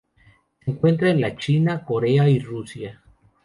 Se encuentra en la China, Corea y Rusia.